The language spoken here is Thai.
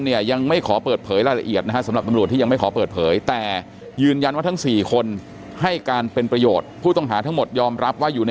จริงจริงจริงจริงจริงจริงจริงจริงจริงจริงจริงจริงจริงจริง